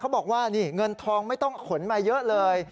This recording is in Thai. บอกว่านี่เงินทองไม่ต้องขนมาเยอะเลย